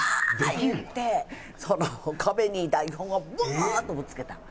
言って壁に台本をブワーッとぶつけた。